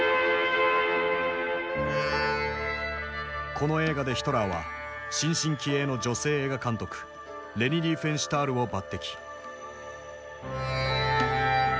この映画でヒトラーは新進気鋭の女性映画監督レニ・リーフェンシュタールを抜擢。